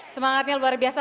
semangatnya luar biasa